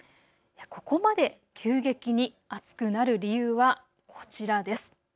ここまで急激に暑くなる理由はこちらです。